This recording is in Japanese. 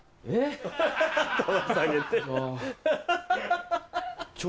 えっ？